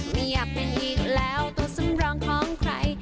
ไม่อยากเป็นอีกแล้วตัวสำรองของใคร